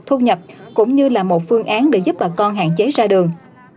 thu nhập cũng như là một phương án để giúp bà con hạn chế ra đường